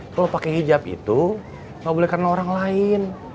kalau pakai hijab itu nggak boleh karena orang lain